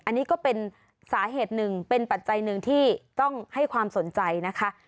อันนี้ก็เป็นสาเหตุหนึ่งเป็นปัจจัยหนึ่งที่ต้องให้ความสนใจนะคะ